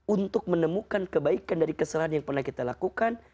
untuk menemukan kebaikan dari kesalahan yang pernah kita lakukan